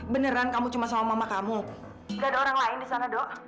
beneran kamu cuma sama mama kamu gak ada orang lain di sana dok